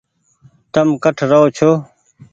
تم ڪٺ رهو ڇو ۔